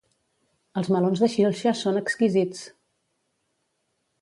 Els melons de Xilxes són exquisits!